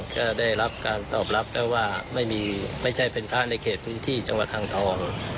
ก็ได้รับการตอบรับแค่ว่าไม่ใช่เป็นพระในเขตพื้นที่จังหวัดอ่างทอง